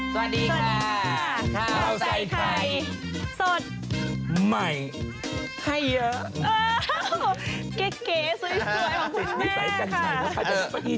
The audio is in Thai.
สวัสดีค่ะข้าวใส่ไทยสดใหม่ให้เยอะ